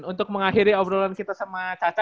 untuk mengakhiri obrolan kita sama caca